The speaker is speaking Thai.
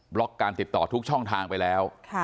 ล็อกการติดต่อทุกช่องทางไปแล้ว